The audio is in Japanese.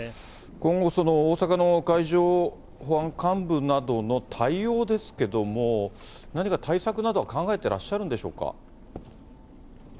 今後、大阪の海上保安監部などの対応ですけども、何か対策などは考えてらっしゃるんでしょうか。